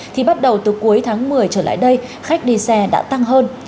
thì bắt đầu từ cuối tháng một mươi trở lại đây khách đi xe đã tăng hơn